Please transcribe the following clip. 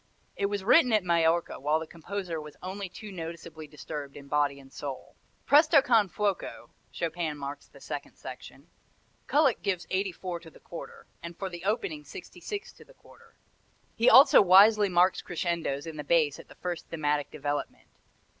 It was written at Majorca while the composer was only too noticeably disturbed in body and soul. Presto con fuoco Chopin marks the second section. Kullak gives 84 to the quarter, and for the opening 66 to the quarter. He also wisely marks crescendos in the bass at the first thematic development.